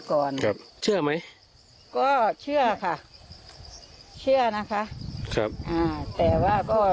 ก่อนครับเชื่อไหมก็เชื่อค่ะเชื่อนะคะครับอ่าแต่ว่าก็